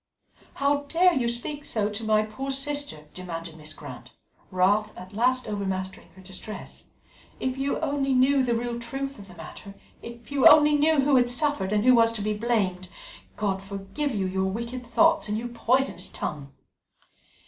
"How dare you speak so to my poor sister?" demanded Mrs. Grant, wrath at last overmastering her distress. "If you only knew the real truth of the matter if you only knew who had suffered and who was to be blamed! God forgive you your wicked thoughts and your poisonous tongue!"